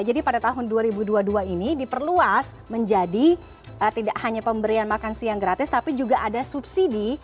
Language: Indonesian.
jadi pada tahun dua ribu dua puluh dua ini diperluas menjadi tidak hanya pemberian makan siang gratis tapi juga ada subsidi